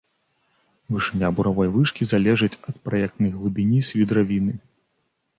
Вышыня буравой вышкі залежыць ад праектнай глыбіні свідравіны.